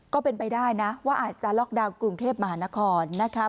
ก็เป็นไปได้นะว่าอาจจะล็อกดาวน์กรุงเทพมหานครนะคะ